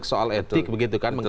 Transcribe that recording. kesoal etik begitu kan